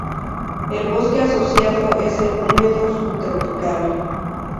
El bosque asociado es el Húmedo Subtropical.